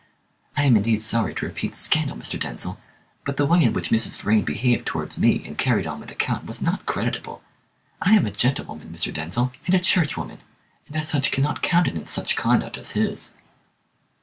I am indeed sorry to repeat scandal, Mr. Denzil, but the way in which Mrs. Vrain behaved towards me and carried on with the Count was not creditable. I am a gentlewoman, Mr. Denzil, and a churchwoman, and as such cannot countenance such conduct as his."